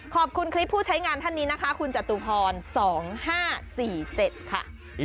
ขอบคุณคลิปผู้ใช้งานท่านนี้นะคะคุณจตุพร๒๕๔๗ค่ะ